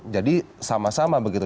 jadi sama sama begitu